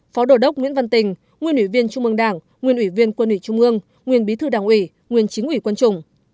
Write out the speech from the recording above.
phó đồ đốc nguyễn văn tình nguyên ủy viên trung mương đảng nguyên ủy viên quân ủy trung ương nguyên bí thư đảng ủy nguyên chính ủy quân chủng